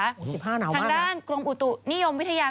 ๑๕หนาวมากนะทางด้านกรมอุตุนิยมวิทยา